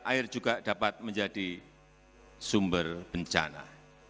air juga dapat menjadi sumber bencana